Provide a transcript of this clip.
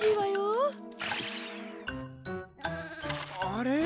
あれ？